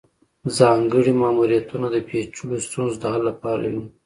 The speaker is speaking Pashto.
ځانګړي ماموریتونه د پیچلو ستونزو د حل لپاره وي